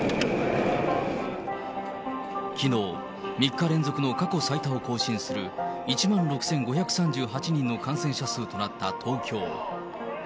きのう、３日連続の過去最多を更新する１万６５３８人の感染者数となった東京。